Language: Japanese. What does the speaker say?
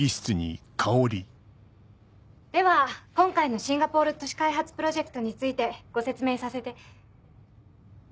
では今回のシンガポール都市開発プロジェクトについてご説明させて。